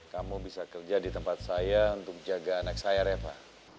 kamu bisa kerja di tempat saya untuk jaga anak saya reva